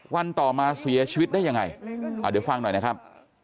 วันต่อมาเสียชีวิตได้ยังไงเดี๋ยวฟังหน่อยนะครับ